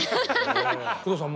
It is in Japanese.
工藤さん